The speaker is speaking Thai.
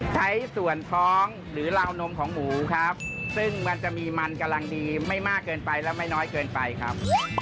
ใช้ส่วนท้องหรือราวนมของหมูครับซึ่งมันจะมีมันกำลังดีไม่มากเกินไปและไม่น้อยเกินไปครับ